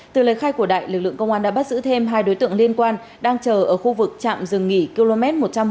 từ lời khai của đại lực lượng công an đã bắt giữ thêm hai đối tượng liên quan đang chờ ở khu vực trạm rừng nghỉ km một trăm bốn mươi